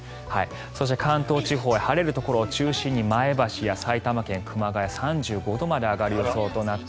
そして、関東地方は晴れるところを中心に前橋や埼玉県熊谷３５度まで上がる予想です。